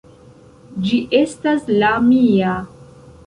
Ĝi estas la mia.